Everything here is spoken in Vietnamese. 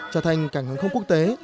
trở thành cảng hàng không quốc tế